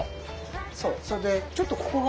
そうそれでちょっとここが。